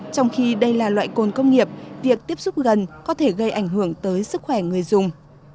trong khi đây là loại cồn công nghiệp việc tiếp xúc gần có thể gây ảnh hưởng tới sức khỏe người dùng